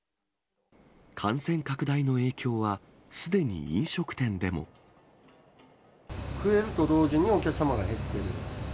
感染拡大の影響は、すでに飲増えると同時に、お客様が減ってる。